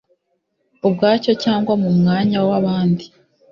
ubwacyo cyangwa mu mwanya w abandi